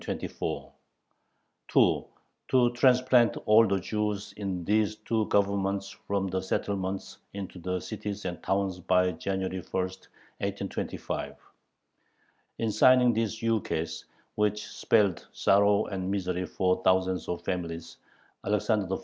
(2) To transplant all the Jews in these two Governments from the settlements into the cities and towns by January 1, 1825. In signing this ukase, which spelled sorrow and misery for thousands of families, Alexander I.